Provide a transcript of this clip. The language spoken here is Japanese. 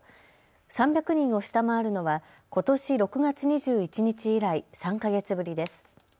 ３００人を下回るのはことし６月２１日以来、３か月ぶりです。